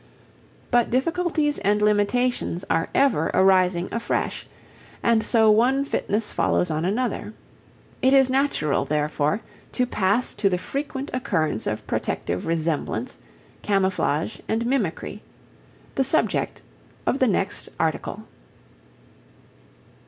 But difficulties and limitations are ever arising afresh, and so one fitness follows on another. It is natural, therefore, to pass to the frequent occurrence of protective resemblance, camouflage, and mimicry the subject of the next article.